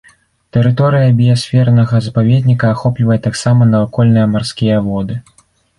Тэрыторыя біясфернага запаведніка ахоплівае таксама навакольныя марскія воды.